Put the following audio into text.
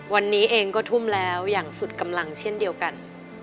วันนี้เองก็ทุ่มแล้วอย่างสุดกำลังเช่นเดียวกัน